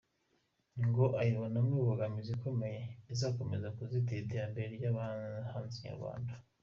Ngo abibonamo imbogamizi ikomeye izakomeza kuzitira iterambere ry’abahanzi nyarwanda.